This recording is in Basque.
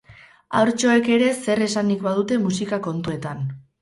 Haurtxoek ere zer esanik badute musika kontuetan.